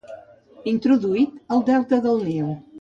Introduït al delta del Nil.